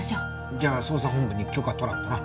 じゃあ捜査本部に許可取らんとな。